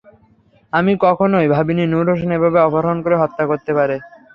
আমি কখনোই ভাবিনি, নূর হোসেন এভাবে অপহরণ করে হত্যা করতে পারে।